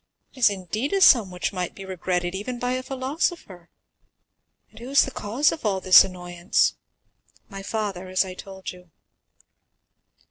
It is indeed a sum which might be regretted even by a philosopher. And who is the cause of all this annoyance?" "My father, as I told you."